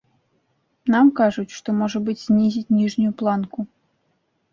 Нам кажуць, што, можа быць, знізяць ніжнюю планку.